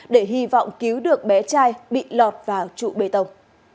để hy vọng cứu được bé trai bị lọt vào trụ bê tông